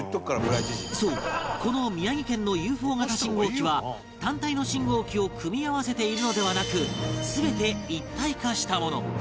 そうこの宮城県の ＵＦＯ 型信号機は単体の信号機を組み合わせているのではなく全て一体化したもの